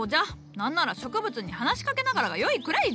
なんなら植物に話しかけながらがよいくらいじゃ！